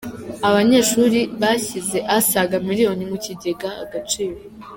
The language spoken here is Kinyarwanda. Abanyeshuri bashyize asaga miliyoni mu kigega agaciro